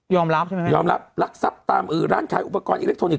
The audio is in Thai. ยอมรับใช่ไหมแม่ยอมรับรักทรัพย์ตามอื่อร้านขายอุปกรณ์อิเล็กโทนิกส์